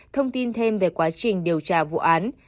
thông tin thêm về quá trình điều tra vụ án